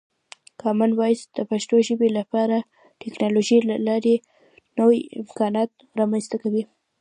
کامن وایس د پښتو ژبې لپاره د ټکنالوژۍ له لارې نوې امکانات رامنځته کوي.